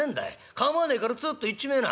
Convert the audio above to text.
構わねえからつっと行っちめえな。